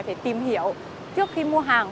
phải tìm hiểu trước khi mua hàng